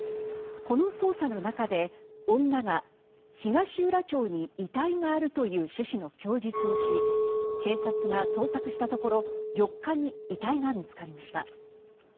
この捜査の中で、女が東浦町に遺体があるという趣旨の供述をし警察が捜索したところ４日に遺体が見つかりました。